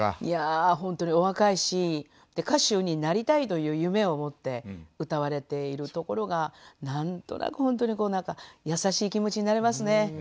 いやホントにお若いし歌手になりたいという夢を持って歌われているところが何となくホントに優しい気持ちになれますね。